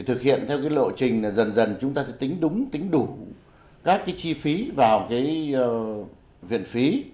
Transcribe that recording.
thực hiện theo lộ trình dần dần chúng ta sẽ tính đúng tính đủ các chi phí vào viện phí